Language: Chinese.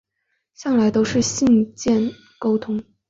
向来都是信件沟通